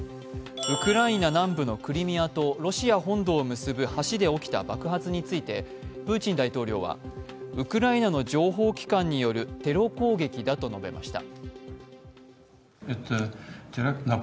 ウクライナ南部のクリミアとロシア本土を結ぶ橋で起きた爆発についてプーチン大統領は、ウクライナの情報機関によるテロ攻撃だと述べました。